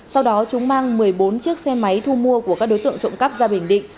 sau đó chúng mang một mươi bốn chiếc xe máy thu mua của các đối tượng trộm cắp ra bình định